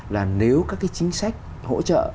là nếu các cái chính sách hỗ trợ